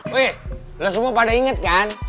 weh lo semua pada inget kan